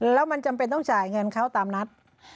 แล้วมันจำเป็นต้องจ่ายเงินเขาตามนัด